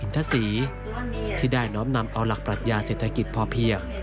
ทศีที่ได้น้อมนำเอาหลักปรัชญาเศรษฐกิจพอเพียง